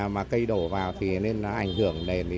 mà cây đổ vào thì nó ảnh hưởng đến